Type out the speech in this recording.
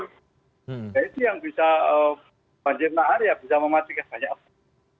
nah itu yang bisa banjir lahar ya bisa mematikan banyak apa